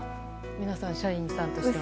皆さん、社員さんとしては。